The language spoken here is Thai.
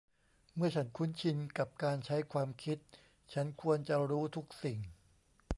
เมื่อฉันคุ้นชินกับการใช้ความคิด ฉันควรจะรู้ทุกสิ่ง